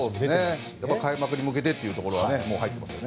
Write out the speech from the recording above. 開幕に向けてというところは入ってますよね。